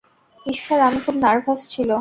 ঈশ্বর, আমি খুব নার্ভাস ছিল।